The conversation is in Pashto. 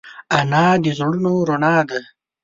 انا د زړونو رڼا ده